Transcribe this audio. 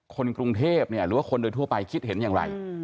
คนกรุงเทพหรือว่าคนโดยทั่วไปคิดเห็นอย่างไร